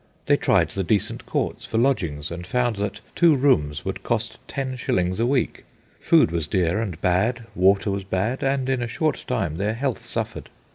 They tried the decent courts for lodgings, and found that two rooms would cost ten shillings a week. Food was dear and bad, water was bad, and in a short time their health suffered.